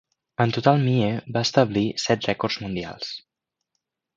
En total Maier va establir set rècords mundials.